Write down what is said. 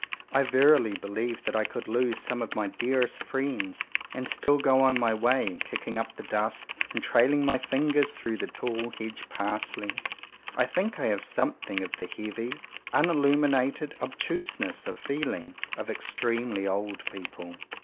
I verily believe that I could lose some of my dearest friends, — and still go on my way, kicking up the dust, and trailing my fingers through the tall hedge parsley. I think I have something of the heavy, unilluminated obtuseness to feel ing, of extremely old people.